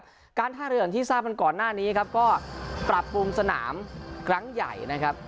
เนื่องจากการท่าเรือแถวที่ออกไปก่อนหน้านี้ก็การปรับปรุงสนามกลางใหญ่นะครับ